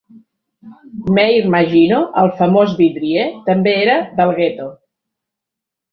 Meir Magino, el famós vidrier, també era del gueto.